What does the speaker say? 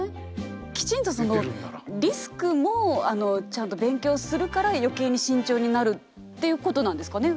きちんとそのリスクもちゃんと勉強するから余計に慎重になるっていうことなんですかね。